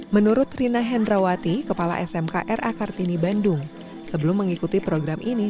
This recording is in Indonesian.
menurut rina hendrawati kepala smk ra kartini bandung sebelum mengikuti program ini